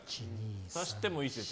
足してもいいですよ